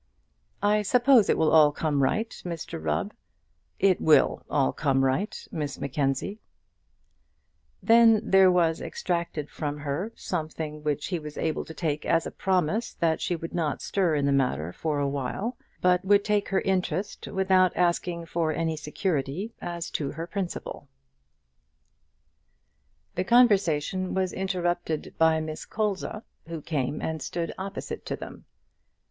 "I suppose it will all come right, Mr Rubb." "It will all come right, Miss Mackenzie." Then there was extracted from her something which he was able to take as a promise that she would not stir in the matter for a while, but would take her interest without asking for any security as to her principal. The conversation was interrupted by Miss Colza, who came and stood opposite to them.